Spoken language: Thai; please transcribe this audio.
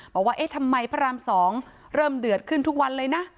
บอกว่าเอ๊ะทำไมพระราม๒เริ่มเดือดขึ้นทุกวันเลยนะ